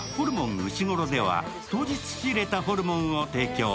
うしごろでは当日仕入れたホルモンを提供。